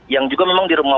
yang juga memang di rumah